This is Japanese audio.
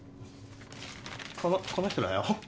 このこの人だよ